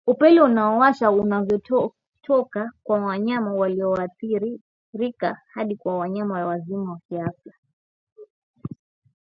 Upele Unaowasha unavyotoka kwa wanyama walioathirika hadi kwa wanyama wazima kiafya